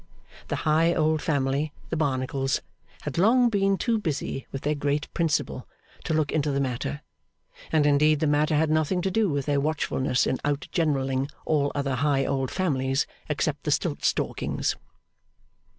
That high old family, the Barnacles, had long been too busy with their great principle to look into the matter; and indeed the matter had nothing to do with their watchfulness in out generalling all other high old families except the Stiltstalkings.